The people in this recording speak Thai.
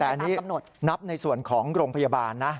แต่อันนี้นับในส่วนของโรงพยาบาลนะ